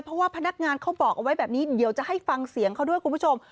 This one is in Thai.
เพราะว่าพนักงานเขาบอกเอาไว้แบบนี้เดี๋ยวจะให้ฟังเสียงเขาด้วยคุณผู้ชม